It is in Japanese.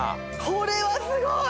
これはすごい！